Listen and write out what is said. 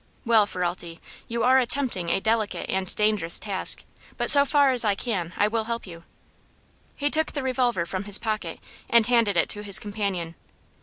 "Well, Ferralti, you are attempting a delicate and dangerous task, but so far as I can, I will help you." He took the revolver from his pocket and handed it to his companion.